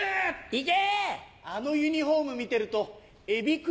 行け！